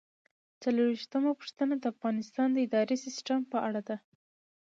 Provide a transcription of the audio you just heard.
څلرویشتمه پوښتنه د افغانستان د اداري سیسټم په اړه ده.